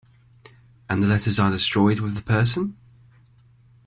And the letters are destroyed with the person?